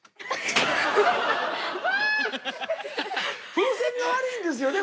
風船が悪いんですよね。